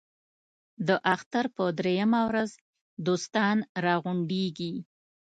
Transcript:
د اختر په درېیمه ورځ دوستان را غونډېږي.